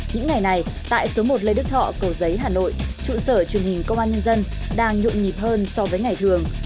những ngày này tại số một lê đức thọ cầu giấy hà nội trụ sở truyền hình công an nhân dân đang nhộn nhịp hơn so với ngày thường